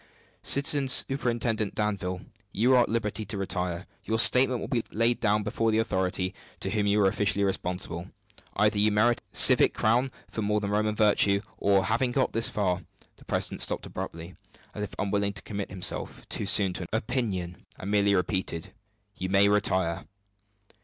"Citizen Superintendent Danville, you are at liberty to retire. Your statement will be laid before the authority to whom you are officially responsible. Either you merit a civic crown for more than Roman virtue, or " Having got thus far, the president stopped abruptly, as if unwilling to commit himself too soon to an opinion, and merely repeated, "You may retire."